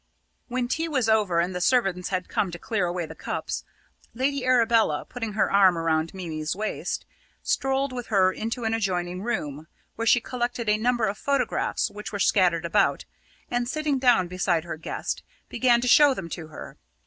When tea was over and the servants had come to clear away the cups, Lady Arabella, putting her arm round Mimi's waist, strolled with her into an adjoining room, where she collected a number of photographs which were scattered about, and, sitting down beside her guest, began to show them to her.